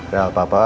tidak ada apa apa